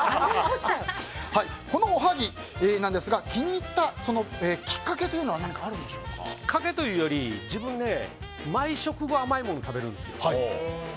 このおはぎなんですが気に入ったきっかけはきっかけというより自分ね、毎食後甘いもの食べるんですよ。